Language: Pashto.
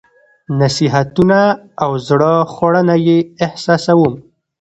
نصيحتونه او زړه خوړنه یې احساسوم.